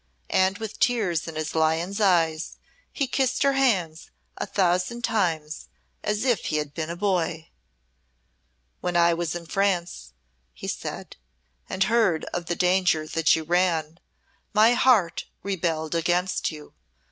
And with tears in his lion's eyes he kissed her hands a thousand times as if he had been a boy. "When I was in France," he said, "and heard of the danger that you ran, my heart rebelled against you.